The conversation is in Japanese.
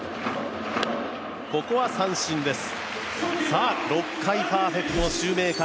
ここは三振です。